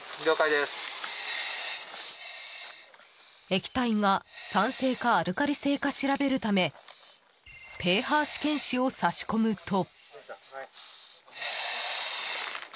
液体が酸性かアルカリ性か調べるためｐＨ試験紙を差し込むと。